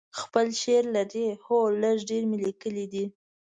خپل شعر لرئ؟ هو، لږ ډیر می لیکلي ده